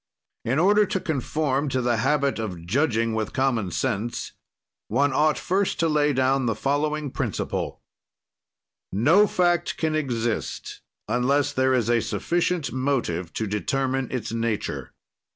"In order to conform to the habit of judging with common sense, one ought first to lay down the following principle: "No fact can exist, unless there is a sufficient motive to determine its nature.